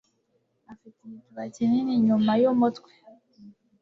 afite igituba kinini inyuma yumutwe.